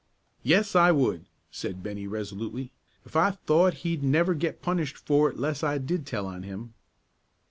"Yes, I would," said Bennie, resolutely, "if I thought he'd never get punished for it 'less I did tell on him."